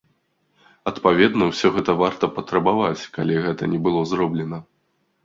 Адпаведна ўсё гэта варта патрабаваць, калі гэта не было зроблена.